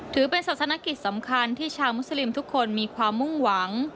ถือเป็นศาสนกิจสำคัญที่ชาวมุสลิมทุกคนมีความมุ่งหวัง